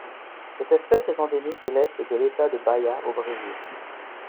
Cette espèce est endémique de l'Est de État de Bahia au Brésil.